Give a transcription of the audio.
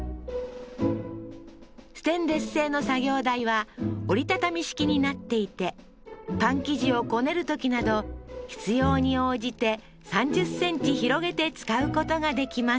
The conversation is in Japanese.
ステンレス製の作業台は折り畳み式になっていてパン生地をこねるときなど必要に応じて３０ｃｍ広げて使うことができます